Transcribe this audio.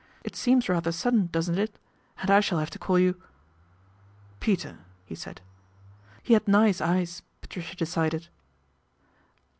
It seems rather sudden, doesn't it, and I shall have to call you " 11 Peter," he said. He had nice eyes Patricia decided.